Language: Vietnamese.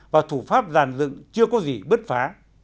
và thủ pháp giàn dựng chưa có gì bứt phá